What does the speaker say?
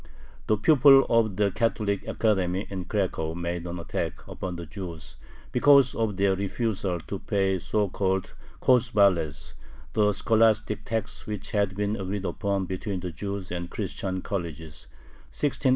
The pupils of the Catholic academy in Cracow made an attack upon the Jews because of their refusal to pay the so called kozubales, the scholastic tax which had been agreed upon between the Jews and the Christian colleges (1681 1682).